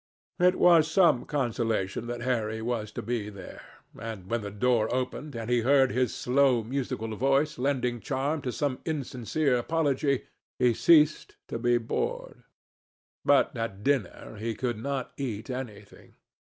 It was some consolation that Harry was to be there, and when the door opened and he heard his slow musical voice lending charm to some insincere apology, he ceased to feel bored. But at dinner he could not eat anything.